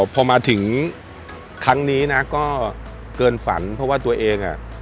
พอมาถึง